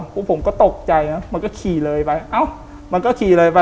พวกผมก็ตกใจนะมันก็ขี่เลยไปเอ้ามันก็ขี่เลยไป